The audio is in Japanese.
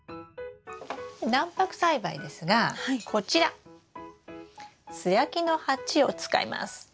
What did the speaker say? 軟白栽培ですがこちら素焼きの鉢を使います。